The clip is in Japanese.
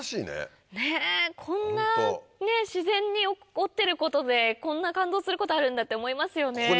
ねぇこんな自然に起こってることでこんな感動することあるんだって思いますよね。